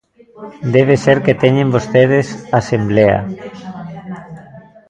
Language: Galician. Debe ser que teñen vostedes asemblea.